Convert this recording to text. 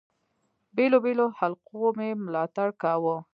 بېلو بېلو حلقو مي ملاتړ کاوه.